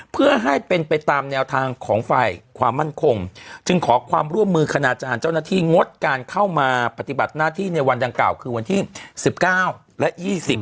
เพื่อให้เป็นไปตามแนวทางของฝ่ายความมั่นคงจึงขอความร่วมมือคณาจารย์เจ้าหน้าที่งดการเข้ามาปฏิบัติหน้าที่ในวันดังกล่าวคือวันที่๑๙และ๒๐